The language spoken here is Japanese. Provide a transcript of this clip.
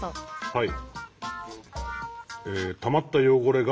はい。